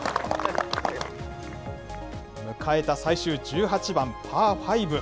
迎えた最終１８番、パーファイブ。